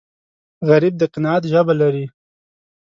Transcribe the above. غریب د قناعت ژبه لري